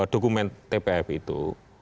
dokumen tpf itu